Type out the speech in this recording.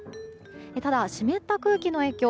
ただ、湿った空気の影響